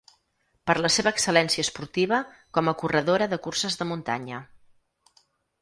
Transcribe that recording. Per la seva excel·lència esportiva com a corredora de curses de muntanya.